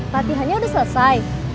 latihan nya udah selesai